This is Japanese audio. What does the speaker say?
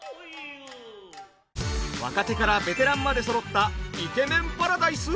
若手からベテランまでそろったイケメンパラダイス！？